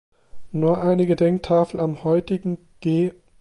Nur eine Gedenktafel am heutigen "G.